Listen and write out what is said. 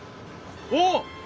おっ！